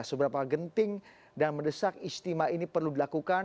seberapa genting dan mendesak istimewa ini perlu dilakukan